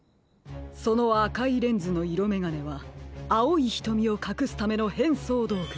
そのあかいレンズのいろめがねはあおいひとみをかくすためのへんそうどうぐ。